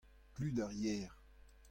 Klud ar yer.